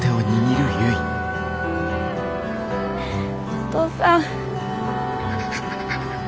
お父さん。